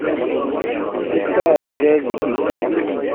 Yetteɛjal di tikli.